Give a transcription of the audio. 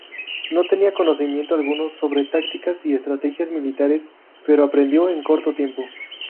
No tenía conocimiento alguno sobre tácticas y estrategias militares, pero aprendió en corto tiempo.